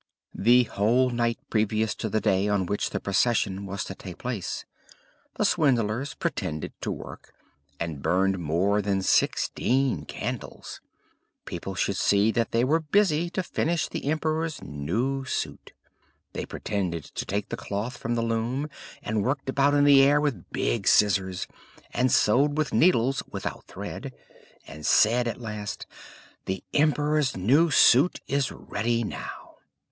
The whole night previous to the day on which the procession was to take place, the swindlers pretended to work, and burned more than sixteen candles. People should see that they were busy to finish the emperor's new suit. They pretended to take the cloth from the loom, and worked about in the air with big scissors, and sewed with needles without thread, and said at last: "The emperor's new suit is ready now."